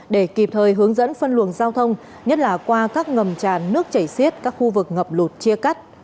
để kịp thời hướng dẫn phân luồng giao thông nhất là qua các ngầm tràn nước chảy xiết các khu vực ngập lụt chia cắt